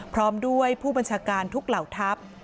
พร้อมด้วยผู้บัญชาการทุกเหล่าทัพ